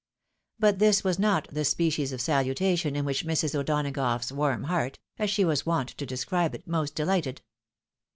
But this was not the species of salutation in which Mrs. O'Donagough's warm heart (as she was wont to describe it) most delighted.